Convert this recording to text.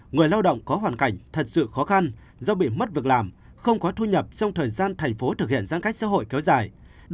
người lao động có hoàn cảnh thật sự khó khăn do bị mất việc làm không có thu nhập trong thời gian thành phố thực hiện giãn cách xã hội kéo dài